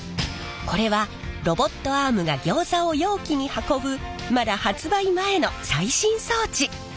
これはロボットアームがギョーザを容器に運ぶまだ発売前の最新装置。